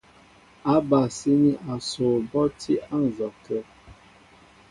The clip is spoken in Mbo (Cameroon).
Ábasíní asoo bɔ́ á tí á nzɔkə̂.